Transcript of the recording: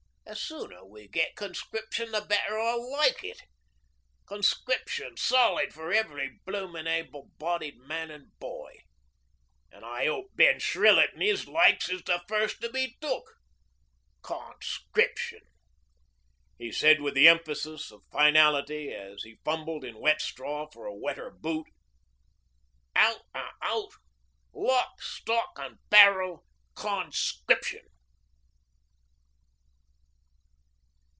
... The sooner we get Conscription, the better I'll like it. Conscription solid for every bloomin' able bodied man an' boy. An' I 'ope Ben Shrillett an' 'is likes is the first to be took. Conscription,' he said with the emphasis of finality as he fumbled in wet straw for a wetter boot, 'out an' out, lock, stock, 'n barrel Conscription.'